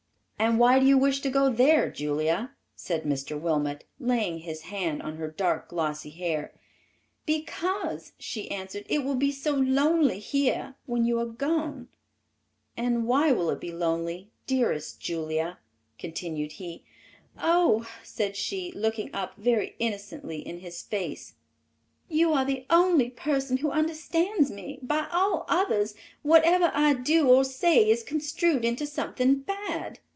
"And why do you wish to go there, Julia?" said Mr. Wilmot, laying his hand on her dark, glossy hair. "Because," she answered, "it will be so lonely here when you are gone." "And why will it be lonely, dearest Julia?" continued he. "Oh," said she, looking up very innocently in his face, "you are the only person who understands me; by all others, whatever I do or say is construed into something bad.